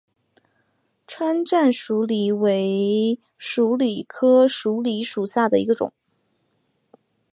川滇鼠李为鼠李科鼠李属下的一个种。